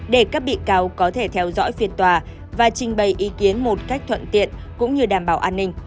để các bị cáo có thể theo dõi phiên tòa và trình bày ý kiến một cách thuận tiện cũng như đảm bảo an ninh